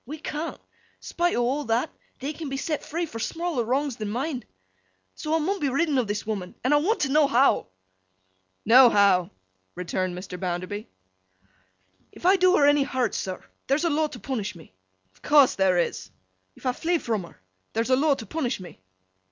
We can't. Spite o' all that, they can be set free for smaller wrongs than mine. So, I mun be ridden o' this woman, and I want t' know how?' 'No how,' returned Mr. Bounderby. 'If I do her any hurt, sir, there's a law to punish me?' 'Of course there is.' 'If I flee from her, there's a law to punish me?